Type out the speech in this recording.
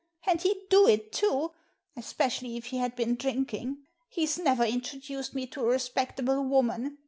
And he'd do it too, especially if he had been drinking. He's never introduced me to a respectable woman.